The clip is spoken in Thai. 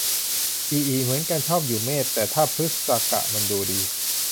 อิอิ เหมือนกัน ชอบอยู่เมษ แต่ถ้าพฤษกมันดูดี